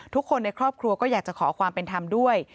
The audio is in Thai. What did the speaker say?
ทุกคนในครอบครัวก็อยากจะขอความเป็นธรรมด้วย